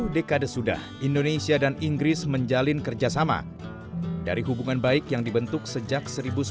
tujuh dekade sudah indonesia dan inggris menjalin kerjasama dari hubungan baik yang dibentuk sejak